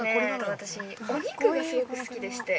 私、お肉がすごく好きでして。